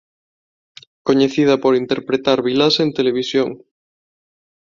Coñecida por interpretar vilás en televisión.